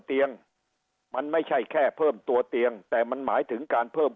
เตียงมันไม่ใช่แค่เพิ่มตัวเตียงแต่มันหมายถึงการเพิ่ม